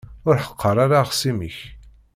Ur ḥeqqeṛ ara axṣim-ik.